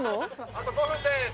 あと５分です。